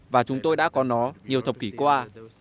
và chúng tôi đã có nó nhiều thập kỷ qua